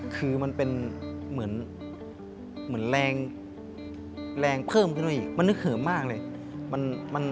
คือมันเป็นเหมือนแรงแรงเพิ่มขึ้นมาอีกมันนึกเหิมมากเลย